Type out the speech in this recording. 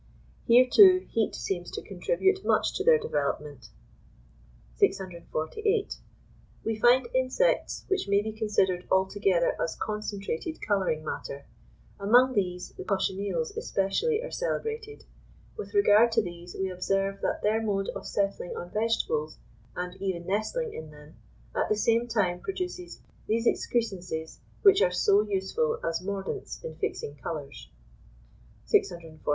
Here, too, heat seems to contribute much to their development. 648. We find insects which may be considered altogether as concentrated colouring matter; among these, the cochineals especially are celebrated; with regard to these we observe that their mode of settling on vegetables, and even nestling in them, at the same time produces those excrescences which are so useful as mordants in fixing colours. 649.